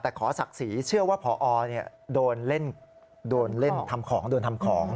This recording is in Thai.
แต่ขอศักดิ์ศรีเชื่อว่าพอโดนเล่นทำของโดนทำของ